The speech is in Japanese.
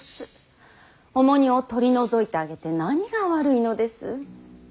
重荷を取り除いてあげて何が悪いのです。